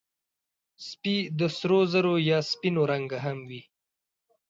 سپي د سرو زرو یا سپینو رنګه هم وي.